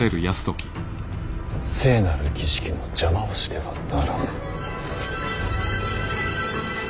聖なる儀式の邪魔をしてはならぬ。